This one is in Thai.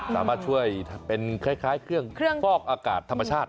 สามารถช่วยเป็นคล้ายเครื่องฟอกอากาศธรรมชาติ